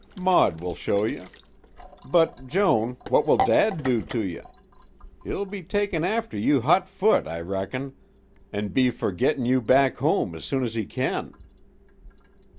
Maud will show you. But, Joan, what will dad do to you? He'll be takin' after you hot foot, I reckon, an' be fer gettin' you back home as soon as he can."